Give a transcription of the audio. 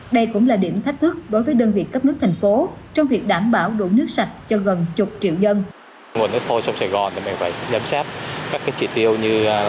đây cũng là điểm thách thức đối với đơn vị cấp nước thành phố trong việc đảm bảo đủ nước sạch cho gần chục triệu dân